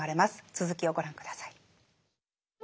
続きをご覧下さい。